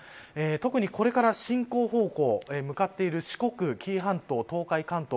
特に、これから進行方向向かっている四国紀伊半島、東海、関東